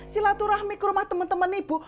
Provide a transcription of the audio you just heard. si latu rahmi ke rumah temen temen ibu